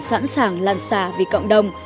sẵn sàng lăn xà vì cộng đồng